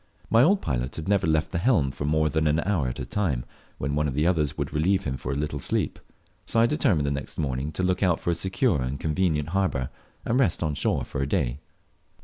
My old pilot had never left the helm for more than an hour at a time, when one of the others would relieve him for a little sleep; so I determined the next morning to look out for a secure and convenient harbour, and rest on shore for a day.